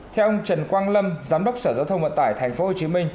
theo ông trần quang lâm giám đốc sở giao thông vận tải tp hcm